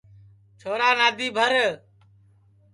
چھورا نادی بھر